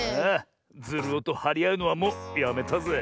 ズルオとはりあうのはもうやめたぜ。